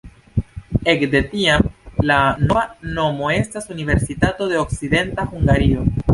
Ekde tiam la nova nomo estas Universitato de Okcidenta Hungario.